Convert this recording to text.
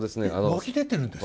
湧き出てるんですか？